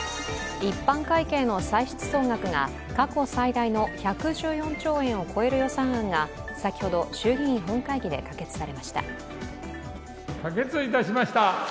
一般会計の歳出総額が過去最大の１１４兆円を超える予算案が先ほど、衆議院本会議で可決されました。